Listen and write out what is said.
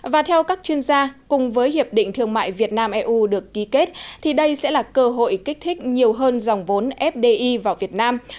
và theo các chuyên gia cùng với hiệp định thương mại việt nam eu được ký kết thì đây sẽ là cơ hội kích thích nhiều hơn dòng vốn fdi vào việt nam